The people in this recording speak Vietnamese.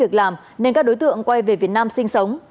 các đối tượng quay về việt nam sinh sống